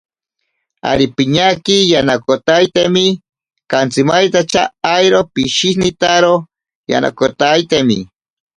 Ari piñaki yanakotaitemi, kantsimaintacha airo pishinitaro yanakotaitemi.